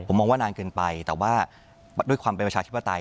ผมมองว่านานเกินไปแต่ว่าด้วยความเป็นประชาธิปไตย